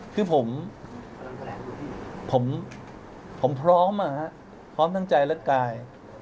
คือผมพร้อมมาพร้อมทั้งใจและกาย